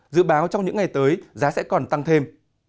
dự báo trong những ngày tới giá sẽ còn tăng thêm